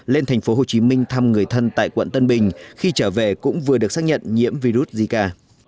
lên tp hcm thăm người thân tại quận tân bình khi trở về cũng vừa được xác nhận nhiễm virus zika